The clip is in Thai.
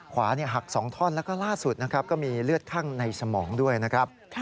ขวาหักสองท่อนและล่าสุดก็มีเลือดคลั่งในสมองด้วยนะครับ